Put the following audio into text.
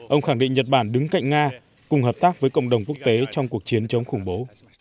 ông khẳng định nhật bản đứng cạnh nga cùng hợp tác với cộng đồng quốc tế trong cuộc chiến chống khủng bố